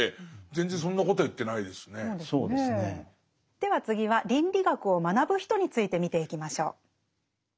では次は倫理学を学ぶ人について見ていきましょう。